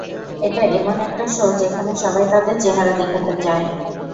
এটা এমন একটা শো যেখানে সবাই তাদের চেহারা দেখাতে চায়!